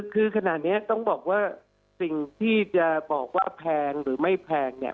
คือขณะนี้ต้องบอกว่าสิ่งที่จะบอกว่าแพงหรือไม่แพงเนี่ย